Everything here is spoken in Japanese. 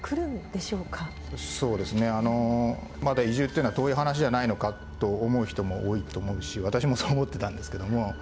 そうですねまだ移住っていうのは遠い話じゃないのかと思う人も多いと思うし私もそう思ってたんですけども。